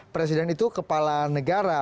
presiden itu kepala negara